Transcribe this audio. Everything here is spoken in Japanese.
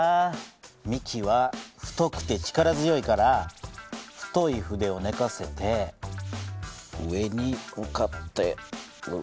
幹は太くて力強いから太い筆をねかせて上に向かって。